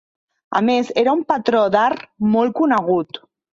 A més, era un patró d'art molt conegut.